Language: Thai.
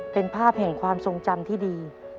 เป็นภาพแห่งความทรงจำที่ดี